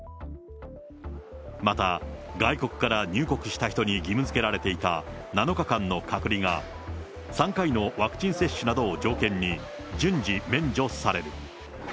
また、外国から入国した人に義務づけられていた７日間の隔離が、３回のワクチン接種などを条件に順次免除される。